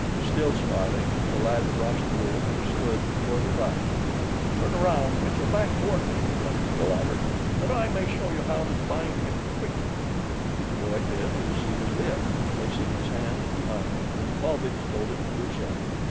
Still smiling, the lad crossed the room and stood before the Russ. "Turn around, with your back toward me," directed the latter, "that I may show you how to bind him quickly." The boy did as he was bid, placing his hands behind him when Paulvitch told him to do so.